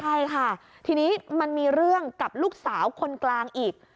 ใช่ค่ะทีนี้มันมีเรื่องกับลูกสาวคนกลางอีก